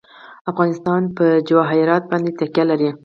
افغانستان په جواهرات باندې تکیه لري.